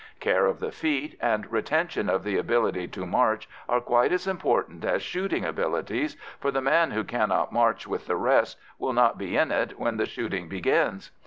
Care of the feet, and retention of the ability to march, are quite as important as shooting abilities, for the man who cannot march with the rest will not be in it when the shooting begins.